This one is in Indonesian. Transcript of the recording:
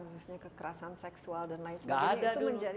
khususnya kekerasan seksual dan lain sebagainya